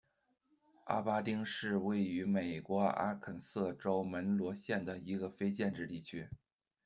阿巴丁是位于美国阿肯色州门罗县的一个非建制地区。